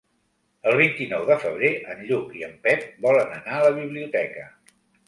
El vint-i-nou de febrer en Lluc i en Pep volen anar a la biblioteca.